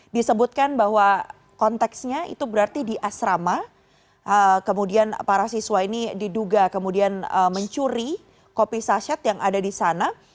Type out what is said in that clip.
disebutkan bahwa konteksnya itu berarti di asrama kemudian para siswa ini diduga kemudian mencuri kopi saset yang ada di sana